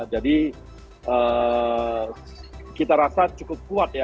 jadi kita rasa cukup kuat ya